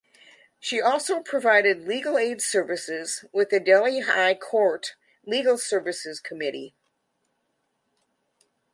She also provided legal aid services with the Delhi High Court Legal Services Committee.